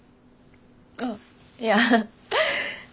あっいや。